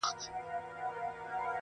چی تل پایی باک یې نسته له ژوندونه!